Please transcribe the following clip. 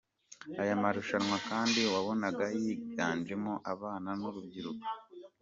Aya marushanwa kandi wabonaga yiganjemo abana n’urubyiruko.